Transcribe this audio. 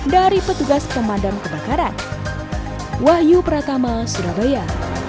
dari petugas pemadam kebakaran wahyu pratama surabaya